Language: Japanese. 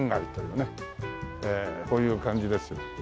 こういう感じです。